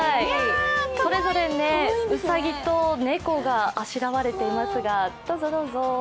それぞれうさぎと猫があしらわれていますがどうぞどうぞ。